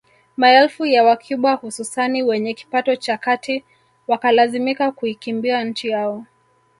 Maelfu ya wacuba hususan wenye kipato cha kati wakalazimika kuikimbia nchi yao